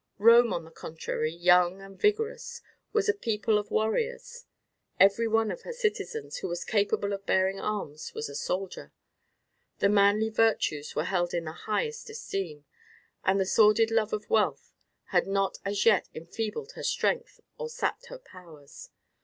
Rome, on the contrary, young and vigourous, was a people of warriors. Every one of her citizens who was capable of bearing arms was a soldier. The manly virtues were held in the highest esteem, and the sordid love of wealth had not as yet enfeebled her strength or sapped her powers.